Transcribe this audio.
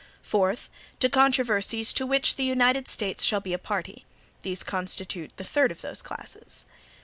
Fourth. To controversies to which the United States shall be a party. These constitute the third of those classes.